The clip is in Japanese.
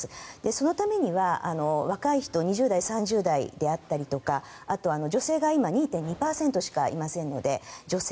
そのためには若い人２０代、３０代であったりとかあと女性が今２．２％しかいませんので女性。